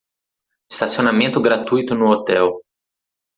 Estacionamento gratuito no hotel